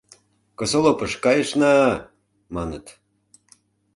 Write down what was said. — Косолопыш кайышна-а, — маныт.